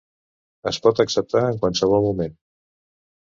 Es pot acceptar en qualsevol moment.